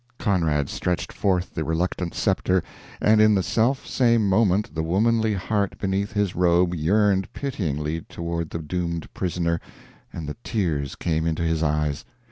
Conrad stretched forth the reluctant sceptre, and in the self same moment the womanly heart beneath his robe yearned pityingly toward the doomed prisoner, and the tears came into his eyes.